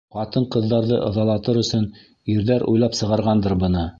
Ҡатын-ҡыҙҙарҙы ыҙалатыр өсөн ирҙәр уйлап сығарғандыр быны!